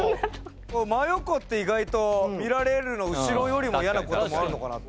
真横って意外と見られるの後よりも嫌なこともあるのかなって。